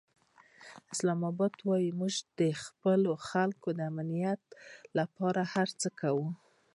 اسلام اباد وویل، موږ د خپلو خلکو د امنیت لپاره هر څه کوو.